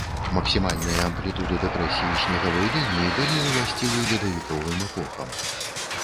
Максімальныя амплітуды дэпрэсіі снегавой лініі былі ўласцівы ледавіковым эпохам.